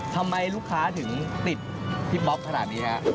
ทำไมลูกค้าถึงติดพี่ป๊อกขนาดนี้ฮะ